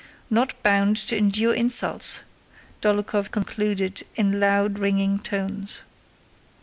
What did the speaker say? "Not bound to endure insults," Dólokhov concluded in loud, ringing tones.